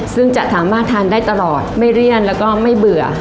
ซึ่งจะสามารถทานได้ตลอดไม่เลี่ยนแล้วก็ไม่เบื่อ